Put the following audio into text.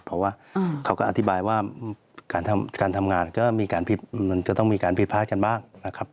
เพราะว่าเขาก็อธิบายว่าการทำงานมันก็ต้องมีการผิดพลาดกันบ้าง